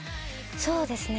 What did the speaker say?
そうですね。